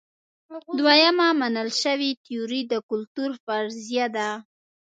دویمه منل شوې تیوري د کلتور فرضیه ده.